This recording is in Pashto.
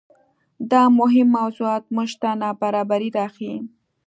دا مهم موضوعات موږ ته نابرابرۍ راښيي.